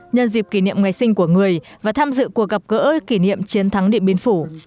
nhân dịp kỷ niệm ngày sinh của người và tham dự cuộc gặp gỡ kỷ niệm chiến thắng điện biên phủ